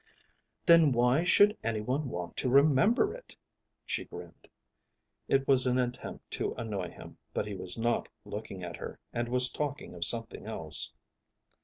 "Then why should anyone want to remember it?" she grinned. It was an attempt to annoy him, but he was not looking at her, and was talking of something else.